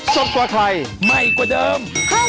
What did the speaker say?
สดกว่าไทยใหม่กว่าเดิม